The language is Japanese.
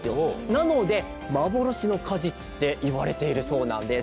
なので幻の果実っていわれているそうなんです